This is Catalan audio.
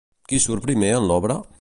Qui surt primer en l'obra?